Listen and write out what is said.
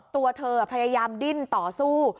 ตัวเธอพยายามดิ้นต่อสู้